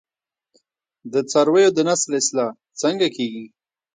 د څارویو د نسل اصلاح څنګه کیږي؟